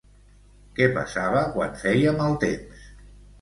Què passava quan feia mal temps?